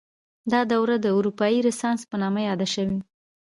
دا دوره د اروپايي رنسانس په نامه یاده شوې.